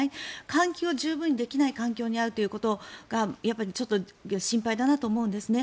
換気を十分にできない環境にあるということがやっぱり心配だなと思うんですね。